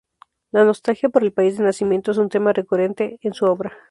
La nostalgia por el país de nacimiento es un tema recurrente en su obra.